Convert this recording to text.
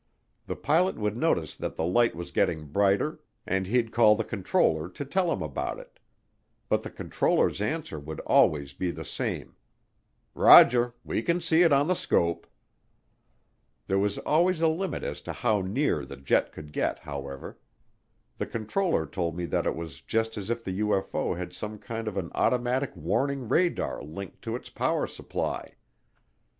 The pilot would notice that the light was getting brighter, and he'd call the controller to tell him about it. But the controller's answer would always be the same, "Roger, we can see it on the scope." There was always a limit as to how near the jet could get, however. The controller told me that it was just as if the UFO had some kind of an automatic warning radar linked to its power supply.